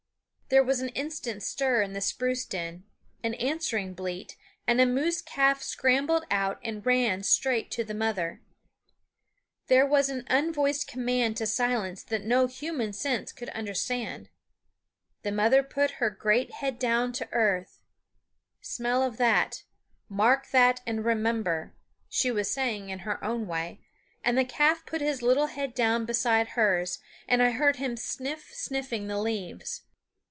There was an instant stir in the spruce den, an answering bleat, and a moose calf scrambled out and ran straight to the mother. There was an unvoiced command to silence that no human sense could understand. The mother put her great head down to earth "Smell of that; mark that, and remember," she was saying in her own way; and the calf put his little head down beside hers, and I heard him sniff sniffing the leaves.